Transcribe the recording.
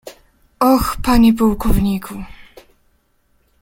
"Och, panie pułkowniku!..."